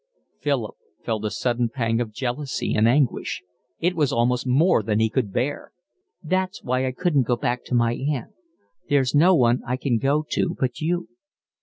Philip felt a sudden pang of jealousy and anguish. It was almost more than he could bear. "That's why I couldn't go back to my aunt. There's no one I can go to but you."